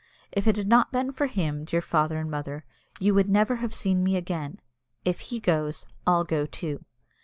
If it had not been for him, dear father and mother, you would never have seen me again. If he goes, I'll go too."